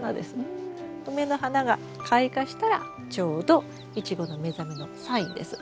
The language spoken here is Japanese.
梅の花が開花したらちょうどイチゴの目覚めのサインです。